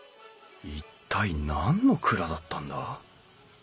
一体何の蔵だったんだ？